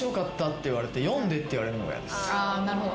あなるほど。